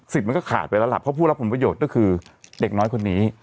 มันก็ขาดไปแล้วล่ะเพราะผู้รับผลประโยชน์ก็คือเด็กน้อยคนนี้